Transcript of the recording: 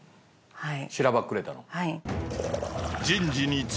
はい。